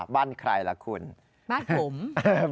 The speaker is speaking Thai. บ้านใครล่ะคุณบ้านผม